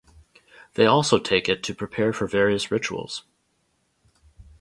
They also take it to prepare for various rituals.